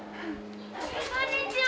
こんにちは。